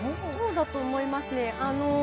そうだと思います。